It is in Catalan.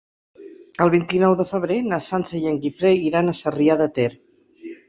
El vint-i-nou de febrer na Sança i en Guifré iran a Sarrià de Ter.